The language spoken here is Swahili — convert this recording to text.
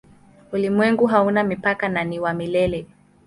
Ulimwengu hauna mipaka na ni wa milele.